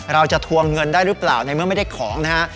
ทวงเงินได้หรือเปล่าในเมื่อไม่ได้ของนะฮะ